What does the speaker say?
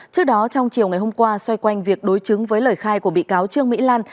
trước đó trong chiều ngày hôm qua xoay quanh việc đối chứng với lời khai của bị cáo trương mỹ lan